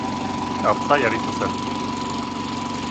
Artzain aritu zen.